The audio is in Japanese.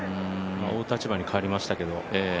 追う立場に変わりましたけど。